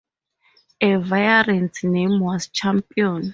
A variant name was Champion.